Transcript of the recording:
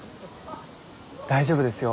大丈夫ですよ